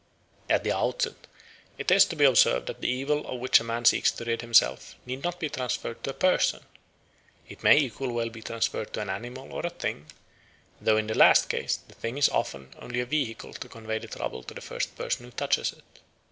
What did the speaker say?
At the outset it is to be observed that the evil of which a man seeks to rid himself need not be transferred to a person; it may equally well be transferred to an animal or a thing, though in the last case the thing is often only a vehicle to convey the trouble to the first person who touches it.